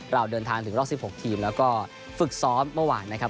เราเดินทางถึงรอบ๑๖ทีมแล้วก็ฝึกซ้อมเมื่อวานนะครับ